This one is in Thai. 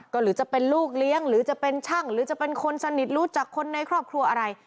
ก็หรือจะเป็นลูกเลี้ยงหรือจะเป็นช่างหรือจะเป็นคนสนิทรู้จักคนในครอบครัวอะไร